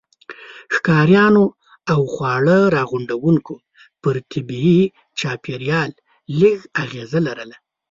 ښکاریانو او خواړه راغونډوونکو پر طبيعي چاپیریال لږ اغېزه لرله.